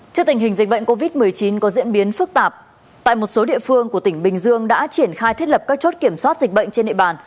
trước tình hình dịch bệnh covid một mươi chín có diễn biến phức tạp tại một số địa phương của tỉnh bình dương đã triển khai thiết lập các chốt kiểm soát dịch bệnh trên địa bàn